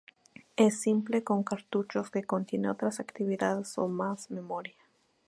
Es ampliable con cartuchos que contienen otras actividades o más memoria.